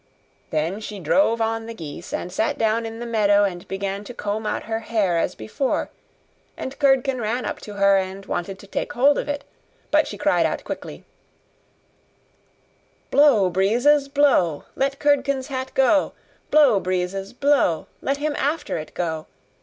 Then she drove on the geese, and sat down again in the meadow, and began to comb out her hair as before; and Curdken ran up to her, and wanted to take hold of it; but she cried out quickly: 'Blow, breezes, blow! Let Curdken's hat go! Blow, breezes, blow! Let him after it go!